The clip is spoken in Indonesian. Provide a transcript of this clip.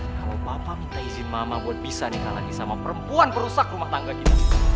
kalau papa minta izin mama buat bisa dihalangi sama perempuan perusak rumah tangga kita